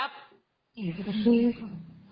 อยู่ตรงนี้ค่ะ